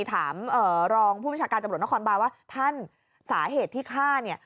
ถามรองผู้บัญชาการตำรวจนครบานว่าท่านสาเหตุที่ฆ่าเนี่ย